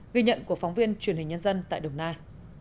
ghi nhận của phóng viên truyền hình nhân dân tại đồng nai